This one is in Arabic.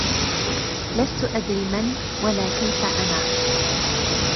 لست أدري من ولا كيف أنا